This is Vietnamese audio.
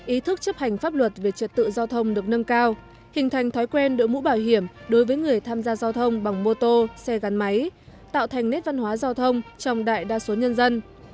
ý thức chấp hành pháp luật về trật tự giao thông được nâng cao hình thành thói quen đội mũ bảo hiểm đối với người tham gia giao thông bằng mô tô xe gắn máy tạo thành nét văn hóa giao thông trong đại đa số nhân dân